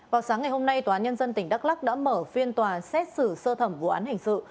vào sáng ngày hôm nay tòa án nhân dân tỉnh đắk lắc đã mở phiên tòa xét xử sơ thẩm vụ án hình sự